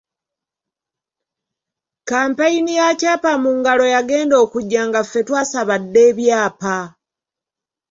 Kkampeyini ya ‘Kyapa mu Ngalo’ yagenda okujja nga ffe twasaba dda ebyapa.